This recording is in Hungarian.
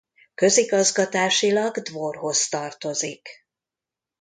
Közigazgatásilag Dvorhoz tartozik.